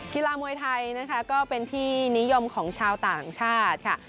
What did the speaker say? กีฬามวยไทยนะคะก็เป็นที่นิยมของชาวต่างชาติค่ะ